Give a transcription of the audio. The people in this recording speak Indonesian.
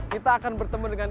kita akan bertemu dengan